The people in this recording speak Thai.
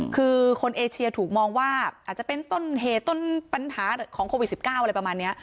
คือคนเอเชียถูกมองว่าอาจจะเป็นต้นเหตุต้นปัญหาของโควิด๑๙อะไรประมาณนี้